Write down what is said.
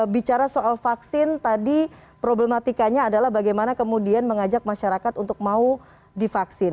bicara soal vaksin tadi problematikanya adalah bagaimana kemudian mengajak masyarakat untuk mau divaksin